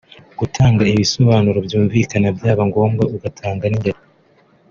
gutanga ibisobanuro byumvikana byaba ngombwa ugatanga n’ingero